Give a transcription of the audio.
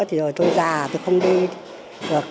thì rồi tôi già tôi không đi được